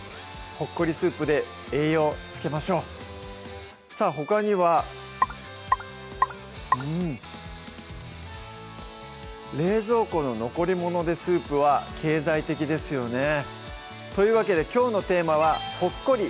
ほっこりスープで栄養つけましょうさぁほかにはうん冷蔵庫の残り物でスープは経済的ですよねというわけできょうのテーマは「ほっこり！